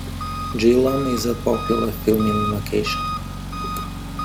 Geelong is a popular filming location.